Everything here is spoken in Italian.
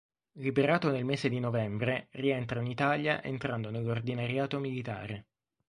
Liberato nel mese di novembre, rientra in Italia entrando nell'Ordinariato militare.